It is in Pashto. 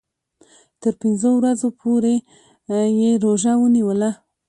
تر پنځو ورځو پوري یې روژه ونیوله.